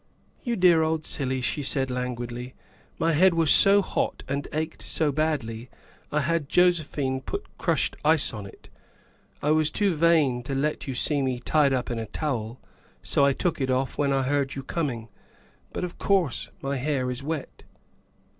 " You dear old silly," she said languidly, " my head was so hot and ached so badly I had Josephine put crushed ice on it. I was too vain to let you see me tied THE SECRETARY OF STATE 107 up in a towel, so I took it off when I heard you coming, but, of course, my hair is wet."